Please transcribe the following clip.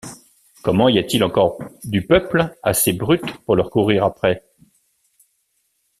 Comment y a-t-il encore du peuple assez brute pour leur courir après.